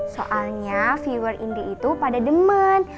soalnya viewer indy itu pada demen